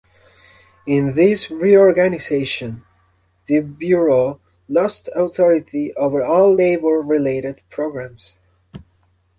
In this reorganization, the Bureau lost authority over all labor-related programs.